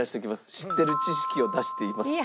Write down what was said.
「知ってる知識を出しています」って。